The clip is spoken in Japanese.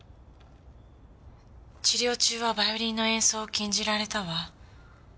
治療中はヴァイオリンの演奏を禁じられたわ。